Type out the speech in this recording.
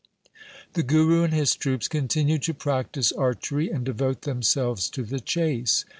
The Guru and his troops continued to practise archery and devote themselves to the chase.